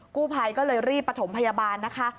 กู้ภัยก็เลยรีบประถมพยาบาลนะคะ